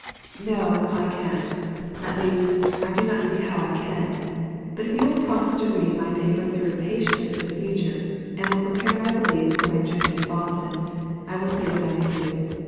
"No, I can't at least, I do not see how I can. But if you will promise to read my paper through patiently for the future, and will prepare my valise for my journey to Boston, I will see what I may do.